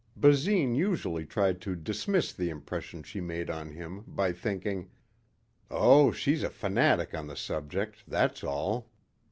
Basine usually tried to dismiss the impression she made on him by thinking, "Oh, she's a fanatic on the subject, that's all."